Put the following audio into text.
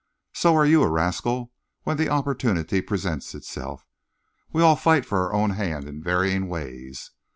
So are you a rascal, when the opportunity presents itself. We all fight for our own hand in varying ways.